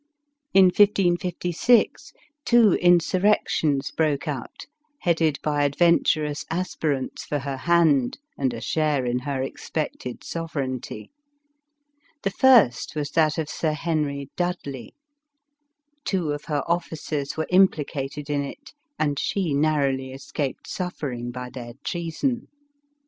In 1556, two insurrections broke out, headed by adventurous aspirants for her hand and a share in her expected sovereignty. The first was that of Sir Henry Dudley ; two of her officers were implicated in it, and she narrowly escaped suffer ing by their treason.